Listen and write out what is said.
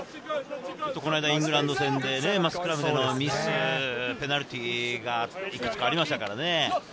この間、イングランド戦でスクラムでのミス、ペナルティーがいくつかありましたからね。